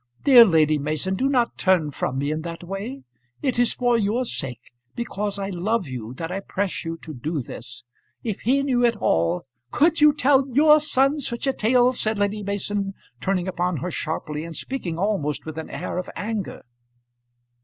Dear Lady Mason, do not turn from me in that way. It is for your sake, because I love you, that I press you to do this. If he knew it all " "Could you tell your son such a tale?" said Lady Mason, turning upon her sharply, and speaking almost with an air of anger.